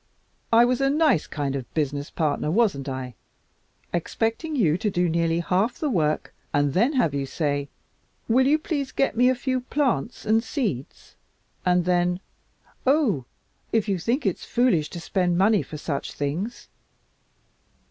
I was a nice kind of a business partner, wasn't I? Expecting you to do nearly half the work and then have you say, 'Will you please get me a few plants and seeds?' and then, 'Oh! If you think it's foolish to spend money for such things.'